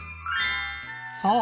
そう！